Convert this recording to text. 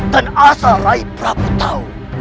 dan asal rai prabu tahu